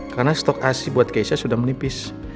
karena stok asin buat keisha sudah melipis